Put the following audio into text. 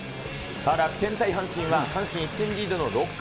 さあ、楽天対阪神は、阪神、１点リードの６回。